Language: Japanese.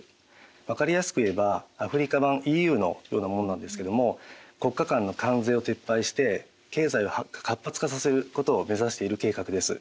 分かりやすく言えばアフリカ版ＥＵのようなものなんですけども国家間の関税を撤廃して経済を活発化させることをめざしている計画です。